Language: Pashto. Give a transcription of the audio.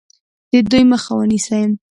د دوی مخه ونیسي.